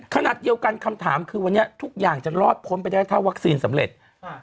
ขนาดเดียวกันคำถามคือวันนี้ทุกอย่างจะรอดพ้นไปได้ถ้าวัคซีนสำเร็จ